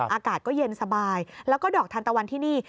อากาศก็เย็นสบายแล้วก็ดอกทันตะวันที่นี่